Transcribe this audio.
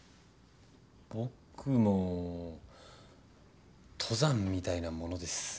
僕も登山みたいなものです。